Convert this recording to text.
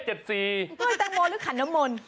ไม่ใช่แตงโมหรือขันนมนต์